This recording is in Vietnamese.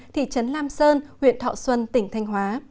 thị trấn lam sơn huyện thọ xuân tỉnh thanh hóa